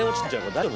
大丈夫？